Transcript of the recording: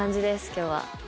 今日は。